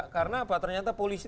karena ternyata polisi